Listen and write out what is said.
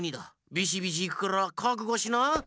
ビシビシいくからかくごしな！